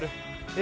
え？